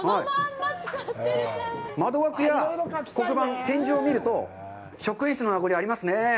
窓枠や黒板、天井を見ると、職員室の名残がありますね。